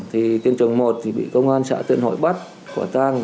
thì tiên trường một bị công an xã tuyên hội bắt khỏa tăng